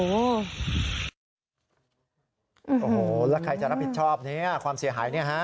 โอ้โหแล้วใครจะรับผิดชอบเนี่ยความเสียหายเนี่ยฮะ